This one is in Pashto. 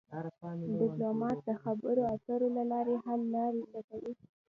ډيپلومات د خبرو اترو له لارې حل لارې لټوي.